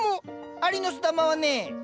アリノスダマはね。